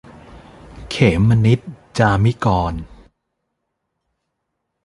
เขมนิจ จามิกรณ์